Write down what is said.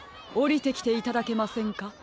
おりてきていただけませんか？